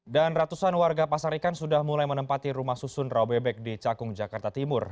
dan ratusan warga pasar ikan sudah mulai menempati rumah susun raubebek di cakung jakarta timur